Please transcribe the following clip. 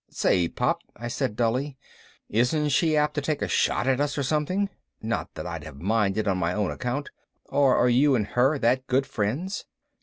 "Say, Pop," I said dully, "isn't she apt to take a shot at us or something?" Not that I'd have minded on my own account. "Or are you and her that good friends?"